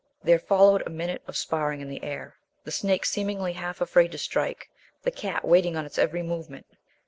There followed a minute of sparring in the air; the snake seemingly half afraid to strike, the cat waiting on its every movement.